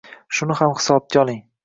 Shuni ham hisobga oling.